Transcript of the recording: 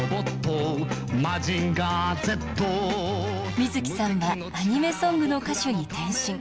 水木さんはアニメソングの歌手に転身。